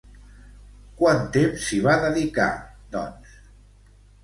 Quant temps s'hi va dedicar, doncs?